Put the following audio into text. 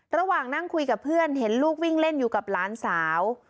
ระหว่างนั่งคุยกับเพื่อนเห็นลูกวิ่งเล่นอยู่กับหลานสาว